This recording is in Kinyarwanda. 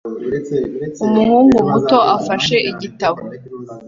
Umuhungu muto afashe igitabo